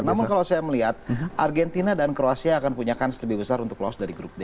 namun kalau saya melihat argentina dan kroasia akan punya kans lebih besar untuk lolos dari grup d